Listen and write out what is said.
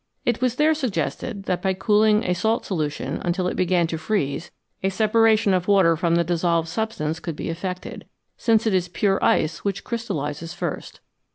It was there sug gested that by cooling a salt solution until it began to freeze a separation of water from the dissolved sub stance could be affected, since it is pure ice which crystallises first.